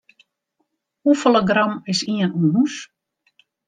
Hoefolle gram is ien ûns?